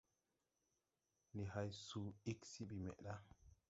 Ndi hay suu ig se bi meʼda.